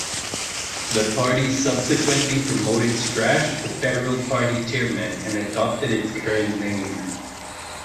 The party subsequently promoted Strache to federal party chairman and adopted its current name.